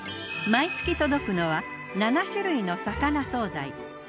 毎月届くのは７種類の魚惣菜。